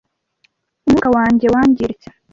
Umwuka wanjye wangiritse !